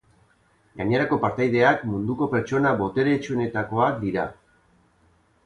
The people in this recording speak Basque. Gainerako partaideak munduko pertsona boteretsuenetakoak dira.